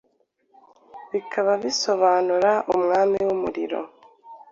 Bikaba bisobanura “Umwami w’umuriro”.